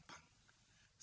saya akan membujuk